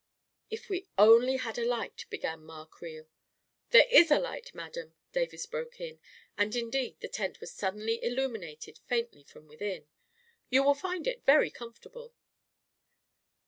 " If we only had a light," began Ma Creel. " There is a light, madam," Davis broke in; and indeed the tent was suddenly illuminated faintly from within. " You will find it very comfortable."